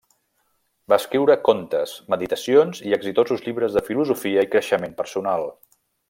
Va escriure contes, meditacions i exitosos llibres de filosofia i creixement personal.